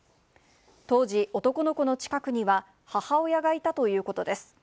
当時、男の子の近くには母親がいたということです。